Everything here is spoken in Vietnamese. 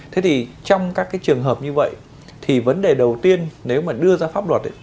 trong các trường hợp như vậy vấn đề đầu tiên nếu đưa ra pháp luật